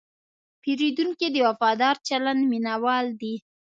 پیرودونکی د وفادار چلند مینهوال دی.